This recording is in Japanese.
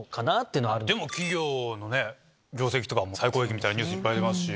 でも企業の業績とか最高益みたいなニュースありますし。